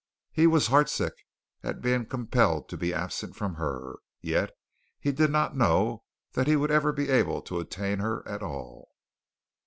He was heartsick at being compelled to be absent from her, and yet he did not know that he would ever be able to attain her at all.